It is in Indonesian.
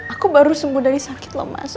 aku baru sembuh dari sakit loh mas